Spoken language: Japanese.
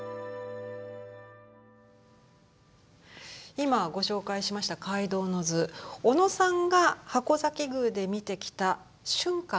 今ご紹介しました「皆働之図」。小野さんが筥崎宮で見てきた春夏の部